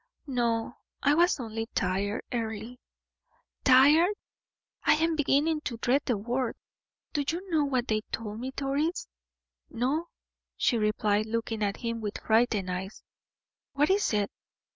"No; I was only tired, Earle." "Tired! I am beginning to dread the word. Do you know what they told me, Doris?" "No," she replied, looking at him with frightened eyes; "what was it?"